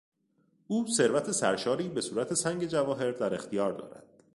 او ثروت سرشاری به صورت سنگ جواهر در اختیار دارد.